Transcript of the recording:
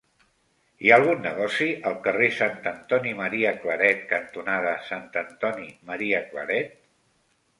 Hi ha algun negoci al carrer Sant Antoni Maria Claret cantonada Sant Antoni Maria Claret?